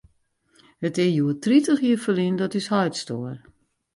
It is hjoed tritich jier ferlyn dat ús heit stoar.